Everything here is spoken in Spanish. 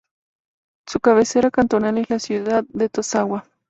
Su cabecera cantonal es la ciudad de Tosagua.